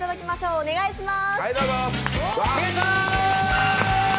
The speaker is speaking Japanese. お願いしまーす！